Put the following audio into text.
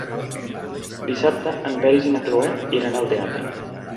Dissabte en Peris i na Cloè iran al teatre.